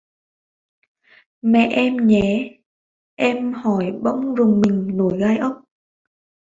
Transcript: Mẹ em nhé Em hỏi mà bỗng rùng mình nổi gai ốc